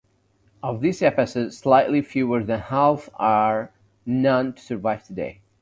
Of these episodes, slightly fewer than half are known to survive today.